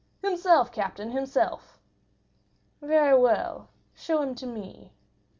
"Himself, captain—himself." "Very well, show him to me."